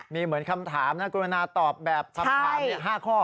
มีเหมือนคำถามนะกรุณาตอบแบบคำถาม๕ข้อ